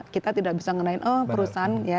kita tidak bisa mengenai perusahaan ya